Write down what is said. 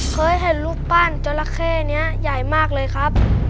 เคยเห็นรูปปั้นจราเข้นี้ใหญ่มากเลยครับ